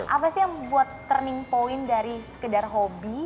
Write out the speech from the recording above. apa sih yang buat turning point dari sekedar hobi